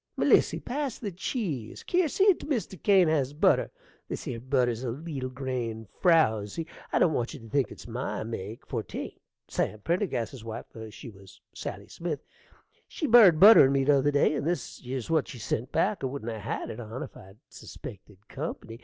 Melissy, pass the cheese. Kier, see't Mr. Crane has butter. This 'ere butter's a leetle grain frouzy. I don't want you to think it's my make, for't ain't. Sam Pendergrass's wife (she 'twas Sally Smith) she borrowed butter o' me t'other day, and this 'ere's what she sent back. I wouldn't 'a' had it on if I'd suspected company.